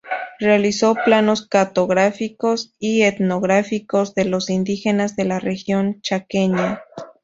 Realizó planos cartográficos y etnográficos de los indígenas de la región chaqueña.